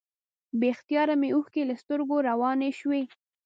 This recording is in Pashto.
بې اختیاره مې اوښکې له سترګو روانې شوې.